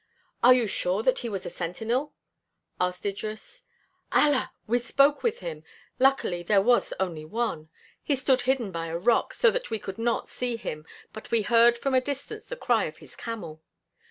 "Are you sure that he was a sentinel?" asked Idris. "Allah! We spoke with him. Luckily there was only one. He stood hidden by a rock, so that we could not see him, but we heard from a distance the cry of his camel.